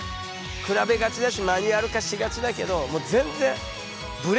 比べがちだしマニュアル化しがちだけどもう全然ハハハッ！